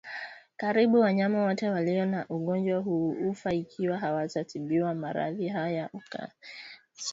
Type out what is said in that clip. Karibu wanyama wote walio na ugonjwa huu hufa ikiwa hawatatibiwa Maradhi haya hukaa sana